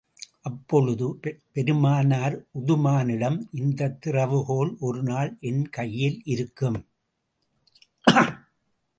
அப்பொழுது பெருமானார் உதுமானிடம், இந்தத் திறவுகோல் ஒரு நாள் என் கையில் இருக்கும்.